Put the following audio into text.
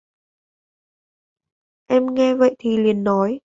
Em nghe vậy thì liền nói